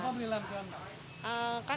kenapa beli lampion